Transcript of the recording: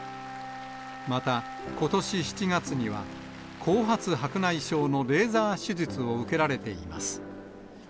また、ことし７月には、後発白内障のレーザー手術を受けられています。